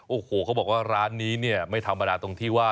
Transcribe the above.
โอ้โหเขาบอกว่าร้านนี้เนี่ยไม่ธรรมดาตรงที่ว่า